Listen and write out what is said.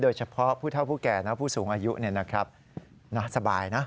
เฉพาะผู้เท่าผู้แก่นะผู้สูงอายุสบายนะ